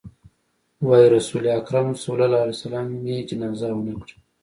وايي رسول اکرم ص يې جنازه ونه کړه.